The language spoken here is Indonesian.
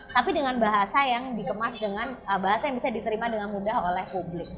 tapi dengan bahasa yang dikemas dengan bahasa yang bisa diterima dengan mudah oleh publik